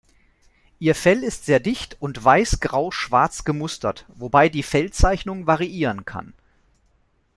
Ihr Fell ist sehr dicht und weiß-grau-schwarz gemustert, wobei die Fellzeichnung variieren kann.